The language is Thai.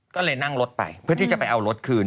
ก็เลยนั่งรถไปเพื่อที่จะไปเอารถคืน